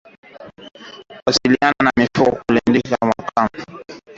Kulindika mifugo katika malisho huchangia maambukizi ya ugonjwa wa miguu na midomo